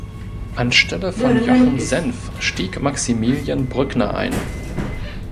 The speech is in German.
Anstelle von Jochen Senf stieg Maximilian Brückner ein.